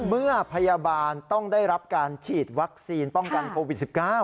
เมื่อพยาบาลต้องได้รับการฉีดวัคซีนป้องกันโควิด๑๙